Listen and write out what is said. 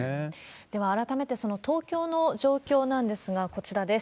では改めて、その東京の状況なんですが、こちらです。